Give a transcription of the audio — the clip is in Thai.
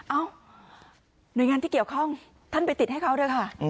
เอ้าหน่วยงานที่เกี่ยวข้องท่านไปติดให้เขาเถอะค่ะ